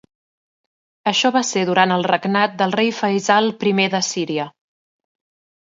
Això va ser durant el regnat del rei Feisal I de Síria.